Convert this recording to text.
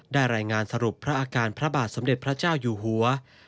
รายงานสรุปพระอาการพระบาทสมเด็จพระเจ้าอยู่หัว